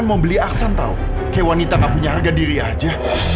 naksan tau kayak wanita gak punya harga diri aja